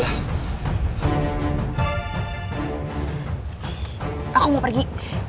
aku mau pergi